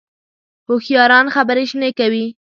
هوښیاران خبرې شنې کوي